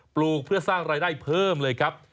ปลูกเพื่อสร้างรายได้เพิ่มเลยครับ